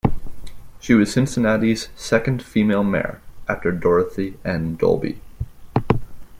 She was Cincinnati's second female mayor, after Dorothy N. Dolbey.